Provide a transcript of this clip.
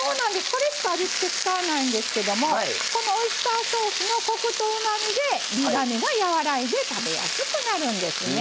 これしか味付け使わないんですけどもこのオイスターソースのコクとうまみで苦みがやわらいで食べやすくなるんですね。